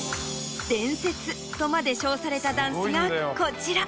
とまで称されたダンスがこちら。